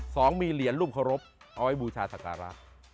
สองมีเหรียญลูกครบเอาไว้บูชาสักราศ